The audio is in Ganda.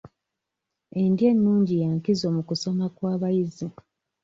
Endya ennungi ya nkizo mu kusoma kw'abayizi.